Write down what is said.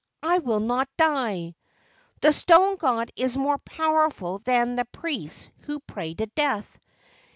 I will not die! The stone god is more powerful than the priests who pray to death!"